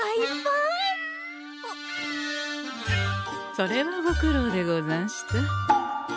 それはご苦労でござんした。